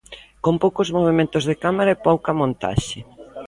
Con poucos movementos de cámara e pouca montaxe.